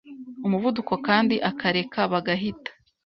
umuvuduko kandi akareka bagahita